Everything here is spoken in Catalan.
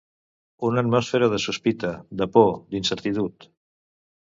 Una atmosfera de sospita, de por, d'incertitud